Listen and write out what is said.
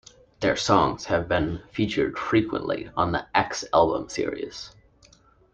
Their songs have been featured frequently on X the album series.